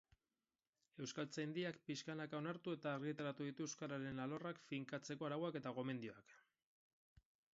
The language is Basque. Euskaltzaindiak pixkanaka onartu eta argitaratu ditu euskararen alorrak finkatzeko arauak eta gomendioak